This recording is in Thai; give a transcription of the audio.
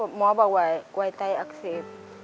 ว่าหมอบอกไว้ไตอักเสบ